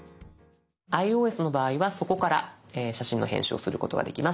ｉＯＳの場合はそこから写真の編集をすることができます。